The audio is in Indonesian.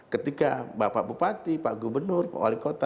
ketika bapak bupati pak gubernur pak wali kota